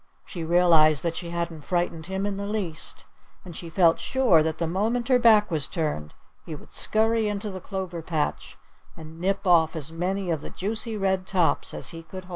She realized that she hadn't frightened him in the least. And she felt sure that the moment her back was turned he would scurry into the clover patch and nip off as many of the juicy red tops as he could hold.